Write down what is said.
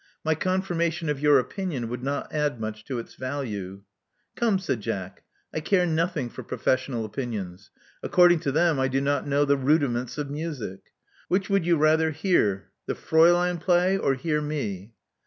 *'My confirmation of your opinion would not add much to its value." *' Come, *' said Jack :I care nothing for professional opinions. According to them, I do not know the rudiments of music. Which would you rather hear the Fraulein play, or hear me?"